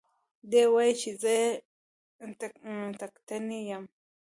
دى وايي چې زه يې ټکټنى يم.